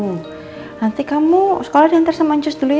nanti kamu sekolah diantar sama jus dulu ya